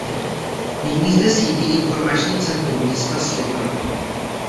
Nyní zde sídlí Informační centrum města Svitavy.